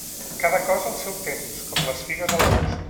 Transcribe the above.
Cada cosa al seu temps, com les figues a l'agost.